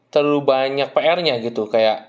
terlalu banyak pr nya gitu kayak